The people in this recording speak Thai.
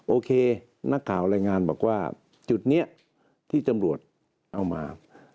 โอเคนักข่าวรายงานบอกว่าจุดนี้ที่ตำรวจเอามา